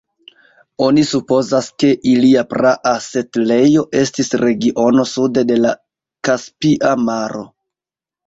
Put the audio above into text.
Oni supozas ke ilia praa setlejo estis regiono sude de la Kaspia Maro.